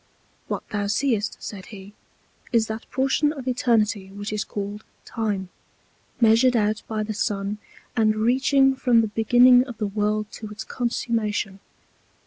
What thou seest, said he, is that Portion of Eternity which is called Time, measured out by the Sun, and reaching from the Beginning of the World to its Consummation.